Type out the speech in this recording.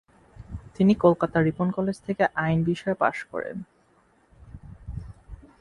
তিনি কলকাতার Ripon College থেকে আইন বিষয়ে পাশ করেন।